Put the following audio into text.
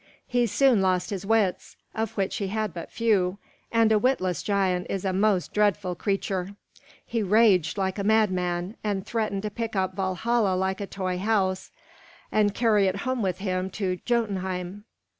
He soon lost his wits, of which he had but few; and a witless giant is a most dreadful creature. He raged like a madman, and threatened to pick up Valhalla like a toy house and carry it home with him to Jotunheim.